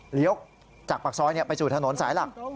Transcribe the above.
เลี้ยวจากปากซอยไปสู่ถนนสายหลัก